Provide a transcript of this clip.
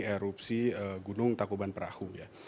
erupsi gunung tangkuban parahu